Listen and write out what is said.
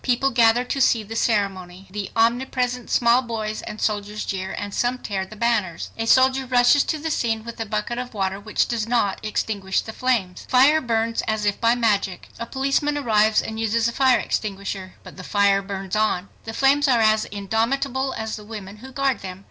People gather to see the ceremony. The omnipresent small boys and soldiers jeer, and some tear the banners. A soldier rushes to the scene with a bucket of water which does not extinguish the flames. The fire burns as if by magic. A policeman arrives and uses a fire extinguisher. But the fire burns on! The flames are as indomitable as the women who guard them!